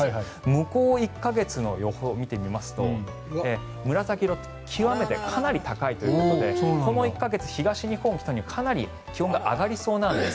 向こう１か月の予報を見てみますと紫色、極めてかなり高いということでこの１か月、東日本、北日本かなり気温が上がりそうなんです。